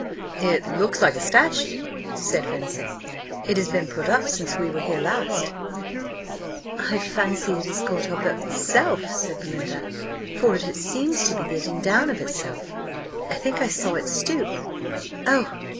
"It looks like a statue," said Vincent. "It has been put up since we were here last." "I fancy it has got up of itself," said Belinda, "for it seems to be getting down of itself. I think I saw it stoop. Oh!